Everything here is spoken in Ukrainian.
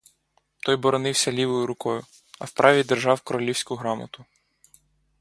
Той боронився лівою рукою, а в правій держав королівську грамоту.